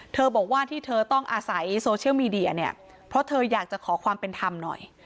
บอกว่าที่เธอต้องอาศัยโซเชียลมีเดียเนี่ยเพราะเธออยากจะขอความเป็นธรรมหน่อย